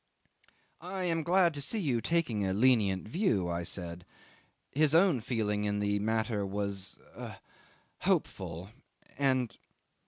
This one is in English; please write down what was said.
'"I am glad to see you taking a lenient view," I said. "His own feeling in the matter was ah! hopeful, and